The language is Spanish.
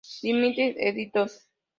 Limited Edition".